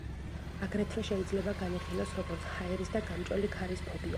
აგრეთვე, შეიძლება განიხილოს, როგორც ჰაერის და გამჭოლი ქარის ფობია.